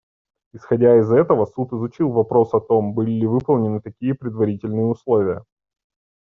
Исходя из этого, Суд изучил вопрос о том, были ли выполнены такие предварительные условия.